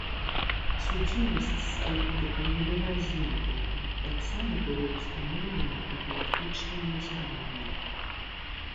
Судзімасць з палітыка не была знятая, таксама было ўстаноўлена прафілактычнае назіранне.